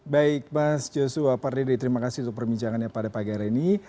baik mas joshua pardede terima kasih untuk perbincangannya pada pagi hari ini